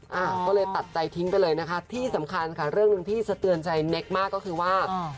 อ่าก็เลยตัดใจทิ้งไปเลยนะคะที่สำคัญค่ะเรื่องหนึ่งที่สะเตือนใจเนคมากก็คือว่า